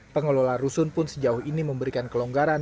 pengelola rusun pun sejauh ini memberikan kelonggaran